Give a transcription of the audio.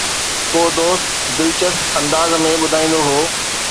ڪو دوست دلچسپ انداز ۾ ٻڌائيندو هو